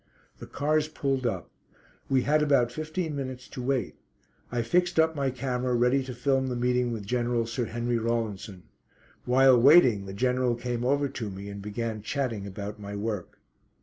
The cars pulled up. We had about fifteen minutes to wait. I fixed up my camera ready to film the meeting with General Sir Henry Rawlinson. While waiting, the General came over to me and began chatting about my work.